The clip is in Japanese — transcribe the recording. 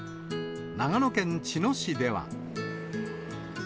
長野県茅野市では。